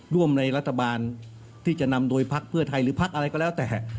ร่วมในรัฐบาลที่จะนำโดยพักเพื่อไทยหรือพักอะไรก็แล้วแต่